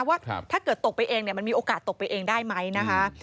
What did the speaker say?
ว่าถ้าเกิดตกไปเองเนี่ยมันมีโอกาสตกไปเองได้ไหมนะคะ